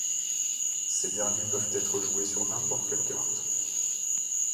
Ces derniers peuvent être joués sur n’importe quelle carte.